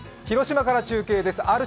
広島から中継です